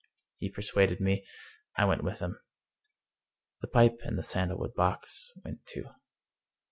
He persuaded me. I went with him. The pipe, in the sandalwood box, went too.